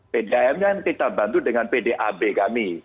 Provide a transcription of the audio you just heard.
pdam nya yang kita bantu dengan pdab kami